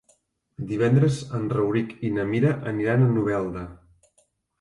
Divendres en Rauric i na Mira aniran a Novelda.